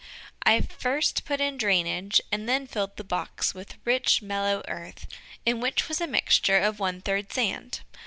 I first put in drainage, and then filled the box with rich, mellow earth in which was a mixture of one third sand.